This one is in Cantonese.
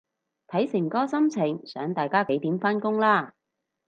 睇誠哥心情想大家幾點返工啦